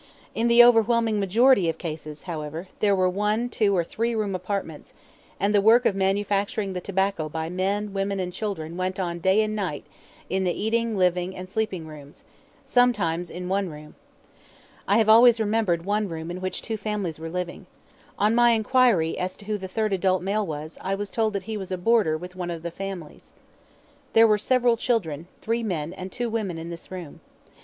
In the overwhelming majority of cases, however, there were one, two, or three room apartments, and the work of manufacturing the tobacco by men, women, and children went on day and night in the eating, living, and sleeping rooms sometimes in one room. I have always remembered one room in which two families were living. On my inquiry as to who the third adult male was I was told that he was a boarder with one of the families. There were several children, three men, and two women in this room.